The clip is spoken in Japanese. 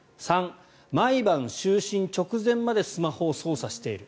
３、毎晩、就寝直前までスマホを操作している。